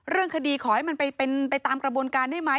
เรื่องคดีขอให้มันไปเป็นไปตามกระบวนการได้ไหม